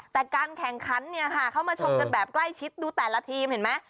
แต่การแข่งขันเนี่ยค่ะเข้ามาชมกันแบบใกล้ชิดดูแต่ละทีมเห็นไหม